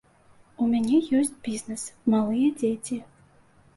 У мяне ёсць бізнэс, малыя дзеці.